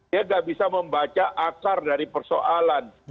dia tidak bisa membaca akar dari persoalan